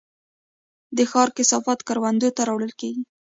د ښار کثافات کروندو ته راوړل کیږي؟